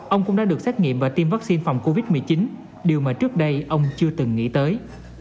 ông cũng đã được xét nghiệm và tiêm vaccine phòng covid một mươi chín điều mà trước đây ông chưa từng nghĩ tới